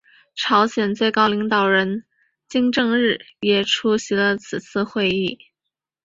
朝鲜最高领导人金正日也出席了此次会议。